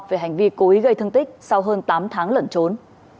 về hành vi cố ý gây thương tích sau hơn tám tháng lẩn trốn